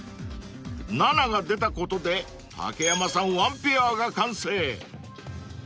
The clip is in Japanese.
［７が出たことで竹山さんワンペアが完成］